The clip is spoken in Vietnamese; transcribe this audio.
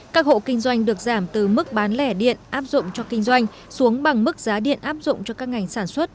các hộ kinh doanh được giảm từ mức bán lẻ điện áp dụng cho kinh doanh xuống bằng mức giá điện áp dụng cho các ngành sản xuất